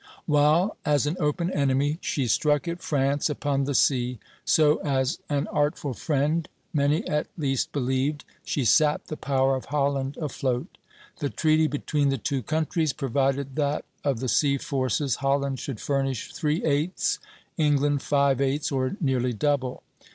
While as an open enemy she struck at France upon the sea, so as an artful friend, many at least believed, she sapped the power of Holland afloat. The treaty between the two countries provided that of the sea forces Holland should furnish three eighths, England five eighths, or nearly double.